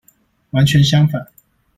完全相反！